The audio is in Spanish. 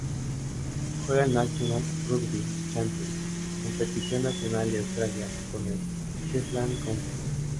Juega el National Rugby Championship, competición nacional de Australia, con el Queensland Country.